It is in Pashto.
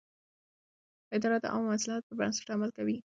اداره د عامه مصلحت پر بنسټ عمل کوي.